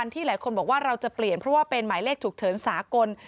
ที่หลายคนบอกว่าเราจะเปลี่ยนเพราะว่าเป็นหมายเลขฉุกเฉินสากล